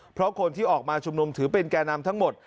เพราะคนที่ออกมาชุมนุมถือเป็นแก่นำทั้งหมด